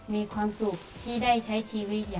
มีความสุขที่ได้ใช้ชีวิต